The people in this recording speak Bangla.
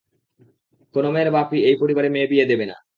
কোন মেয়ের বাপ-ই এই পরিবারে মেয়ে বিয়ে দিবে না।